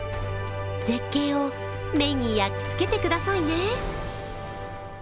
絶景を目に焼きつけてくださいね。